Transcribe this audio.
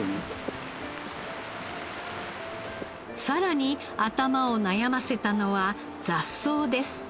さらに頭を悩ませたのは雑草です。